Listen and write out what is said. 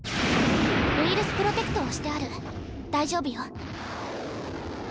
ウイルスプロテクトをしてある大丈夫よ。